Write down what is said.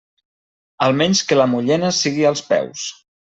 Almenys que la mullena sigui als peus.